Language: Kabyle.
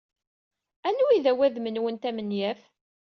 Anwa ay d awadem-nwent amenyaf?